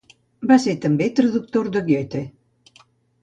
Va ser també traductor de Goethe.